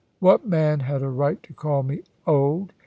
What man had a right to call me "old"?